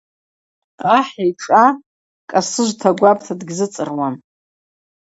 Ахӏ йшӏа кӏасыжв тагвапӏта дгьзыцӏыруам.